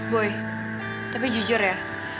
boy tapi jujur ya